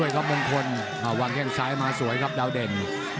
จากแก่แซม่าสวยครับดาวเด็น